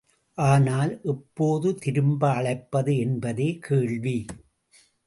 ஆனால், எப்போது திரும்ப அழைப்பது என்பதே கேள்வி!